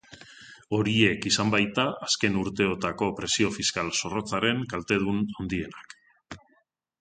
Horiek izan baita azken urteotako presio fiskal zorrotzaren kaltedun handienak.